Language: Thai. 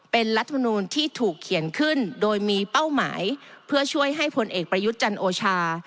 เป็นรัฐมนูลที่ถูกเขียนขึ้นโดยมีเป้าหมายเพื่อช่วยให้พลเอกประยุทธ์จันโอชา